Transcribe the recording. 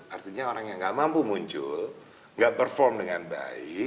artinya orang yang nggak mampu muncul nggak perform dengan baik